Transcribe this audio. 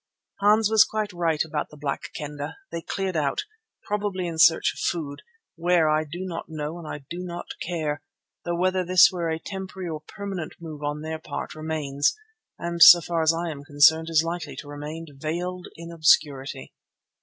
Hans was quite right about the Black Kendah. They cleared out, probably in search of food, where I do not know and I do not care, though whether this were a temporary or permanent move on their part remains, and so far as I am concerned is likely to remain, veiled in obscurity.